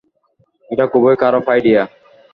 এটা খুবই খারাপ আইডিয়া!